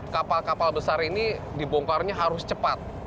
kapal kapal besar ini dibongkarnya harus cepat